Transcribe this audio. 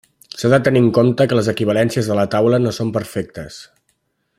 S'ha de tenir en compte que les equivalències de la taula no són perfectes.